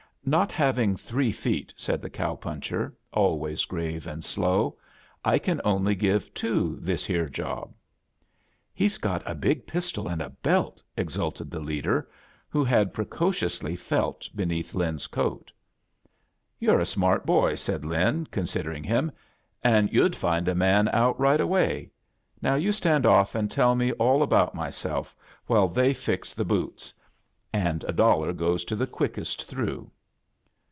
"Not having three feet," said the cow puncher, always grave and slow, "I can only give two this here job." "He's got a big pistol and a belt!" ex ulted the leader, who had precociously felt beneath Lin's coat. "You're a smart boy," said Lin, con sidering him, "and yu' find a man outi right away. Now you stand off and tell^ me all about myself while they fix the' A JOURNEY IN SEARCH OF CHRISTMAS boots — and a dollar goes to the quickest through."